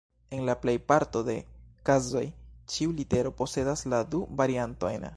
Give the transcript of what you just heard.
En la plej parto de kazoj, ĉiu litero posedas la du variantojn.